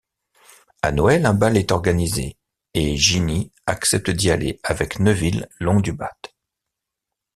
À Noël, un bal est organisé et Ginny accepte d’y aller avec Neville Londubat.